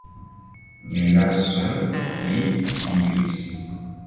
"Melason," li diris.